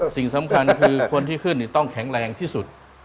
สิ่งสำคัญคือคนที่ขึ้นต้องแข็งแรงที่สุด